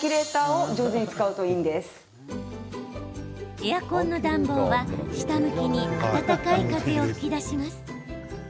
エアコンの暖房は下向きに暖かい風を吹き出します。